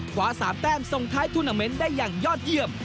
ขวา๓แต้มส่งท้ายทูนาเมนต์ได้อย่างยอดเยี่ยม